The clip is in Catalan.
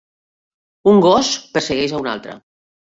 un gos persegueix a un altre.